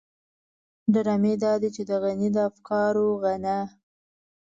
ډرامې دادي چې د غني د افکارو غنا.